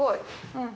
うん。